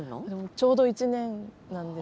ちょうど１年なんです。